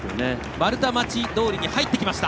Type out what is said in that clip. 丸太町通に入ってきました。